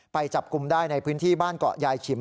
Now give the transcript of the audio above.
ไปจับกลุ่มได้ในพื้นที่บ้านเกาะยายฉิม